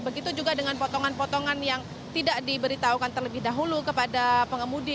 begitu juga dengan potongan potongan yang tidak diberitahukan terlebih dahulu kepada pengemudi